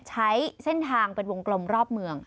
ใช้เส้นทางเป็นวงกลมรอบเมือง